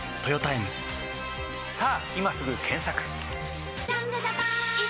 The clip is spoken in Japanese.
さぁ今すぐ検索！